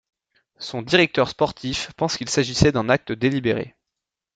Son directeur sportif pense qu'il s'agissait d'un acte délibéré.